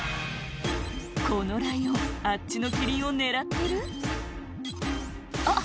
このライオンあっちのキリンを狙ってるあっ